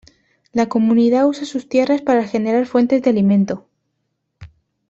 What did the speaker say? La comunidad usa sus tierras para generar fuentes de alimento.